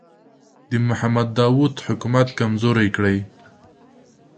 د محمد داوود حکومت کمزوری کړي.